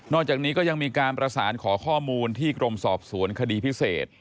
จากนี้ก็ยังมีการประสานขอข้อมูลที่กรมสอบสวนคดีพิเศษ